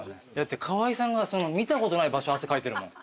川合さんが見たことない場所汗かいてるもん。